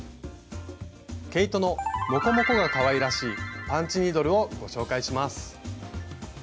毛糸のモコモコがかわいらしいパンチニードルをご紹介します。